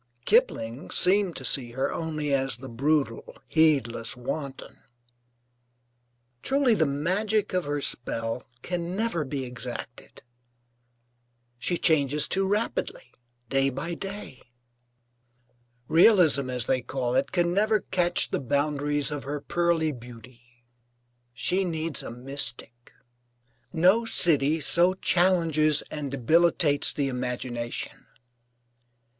Kipling seemed to see her only as the brutal, heedless wanton.) Truly the magic of her spell can never be exacted. She changes too rapidly, day by day. Realism, as they call it, can never catch the boundaries of her pearly beauty. She needs a mystic. No city so challenges and debilitates the imagination.